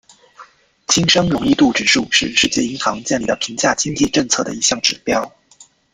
经商容易度指数是世界银行建立的评价经济政策的一项指标。